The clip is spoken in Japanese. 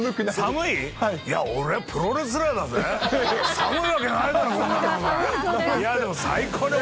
いや、俺、プロレスラーだぜ、寒いわけないだろう、こんなのお前。